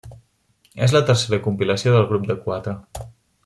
És la tercera compilació del grup de quatre.